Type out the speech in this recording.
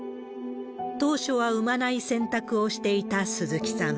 当初は産まない選択をしていた鈴木さん。